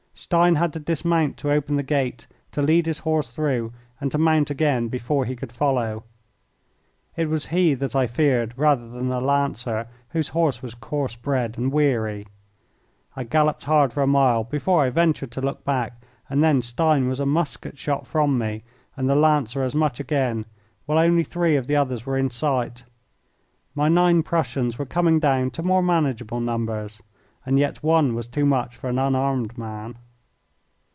Stein had to dismount to open the gate, to lead his horse through, and to mount again before he could follow. It was he that I feared rather than the Lancer, whose horse was coarse bred and weary. I galloped hard for a mile before I ventured to look back, and then Stein was a musket shot from me, and the Lancer as much again, while only three of the others were in sight. My nine Prussians were coming down to more manageable numbers, and yet one was too much for an unarmed man.